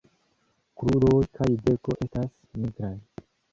Kruroj kaj beko estas nigraj.